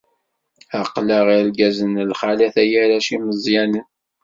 Aql-aɣ irgazen lxalat ay arrac imeẓẓyanen.